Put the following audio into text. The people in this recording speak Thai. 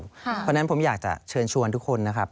เพราะฉะนั้นผมอยากจะเชิญชวนทุกคนนะครับ